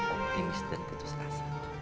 optimis dan putus asa